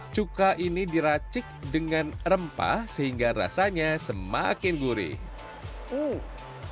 cuka ini diracik dengan rempah sehingga rasanya semakin gurih